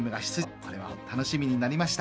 これは本当に楽しみになりました。